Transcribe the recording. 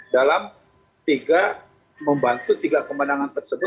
dalam tiga membantu tiga kemenangan tersebut